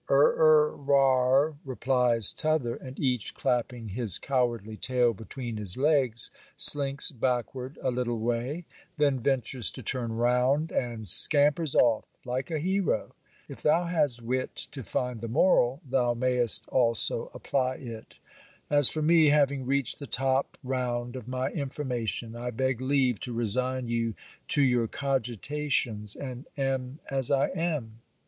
Er er rar, replies t'other; and each clapping his cowardly tail between his legs slinks backward a little way; then ventures to turn round, and scampers off like a hero. If thou has wit to find the moral, thou mayst also apply it. As for me, having reached the top round of my information, I beg leave to resign you to your cogitations and am as I am.